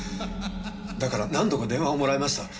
だから何度も電話をもらいました。